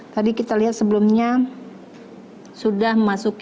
tadi kita lihat sebelumnya sudah memasuki enam belas